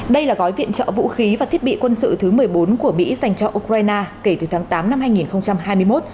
đây là gói viện trợ vũ khí và thiết bị quân sự thứ một mươi bốn của mỹ dành cho ukraine kể từ tháng tám năm hai nghìn hai mươi một